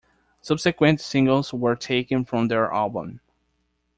Subsequent singles were taken from their album.